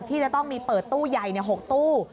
ที่จะต้องมีเปิดตู้ใหญ่๖ตู้